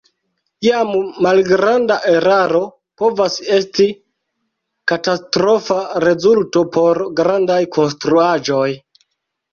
Jam malgranda eraro povas esti katastrofa rezulto por grandaj konstruaĵoj.